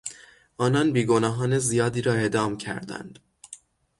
آنان بیگناهان زیادی را اعدام کردند.